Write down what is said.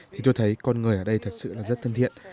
thì tôi thấy con người ở đây thật sự là rất thân thiện